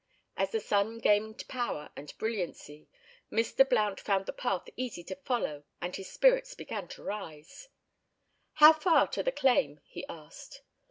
As the sun gained power and brilliancy, Mr. Blount found the path easy to follow and his spirits began to rise. "How far to the claim?" he asked.